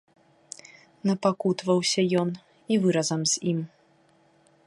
Напакутаваўся ён і вы разам з ім.